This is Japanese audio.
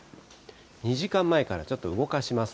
２時間前からちょっと動かします。